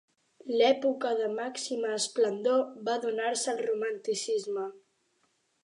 L'època de màxima esplendor va donar-se al romanticisme.